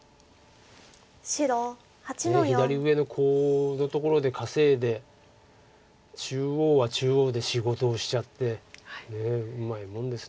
左上のコウのところで稼いで中央は中央で仕事をしちゃってねえうまいもんです。